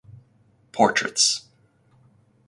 Portraits.